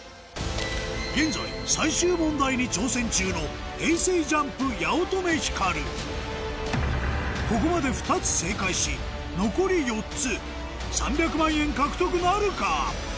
現在最終問題に挑戦中のここまで２つ正解し残り４つ３００万円獲得なるか？